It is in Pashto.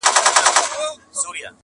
بادام مغز لري.